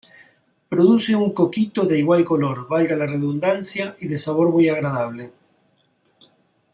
Produce un coquito de igual color, valga la redundancia y de sabor muy agradable.